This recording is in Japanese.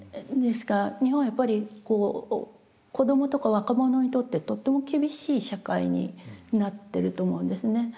ですから日本はやっぱり子どもとか若者にとってとっても厳しい社会になってると思うんですね。